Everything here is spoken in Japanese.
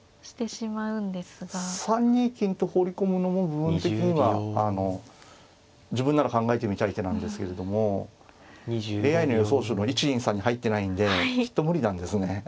３二金と放り込むのも部分的には自分なら考えてみたい手なんですけれどもＡＩの予想手の１２３に入ってないんできっと無理なんですね。